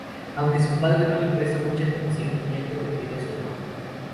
Aunque su padre no le presta mucha atención, ya que prefiere a su hermano.